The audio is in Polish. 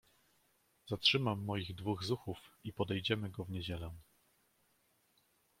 "zatrzymam moich dwóch zuchów i podejdziemy go w niedzielę."